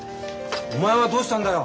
お前はどうしたんだよ！？